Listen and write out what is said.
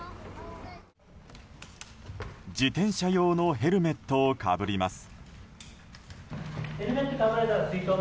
自転車用のヘルメットをかぶります。